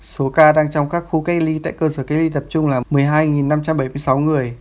số ca đang trong các khu cách ly tại cơ sở cách ly tập trung là một mươi hai năm trăm bảy mươi sáu người